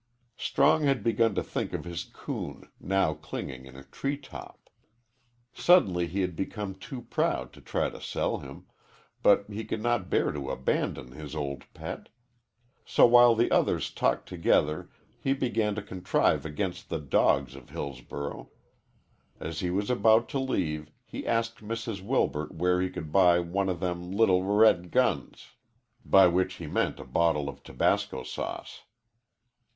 Strong had begun to think of his coon, now clinging in a tree top. Suddenly he had become too proud to try to sell him, but he could not bear to abandon his old pet. So while the others talked together he began to contrive against the dogs of Hillsborough. As he was about to leave, he asked Mrs. Wilbert where he could buy "one o' them l little r red guns," by which he meant a bottle of tabasco sauce.